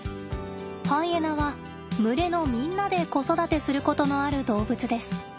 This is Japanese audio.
ハイエナは群れのみんなで子育てすることのある動物です。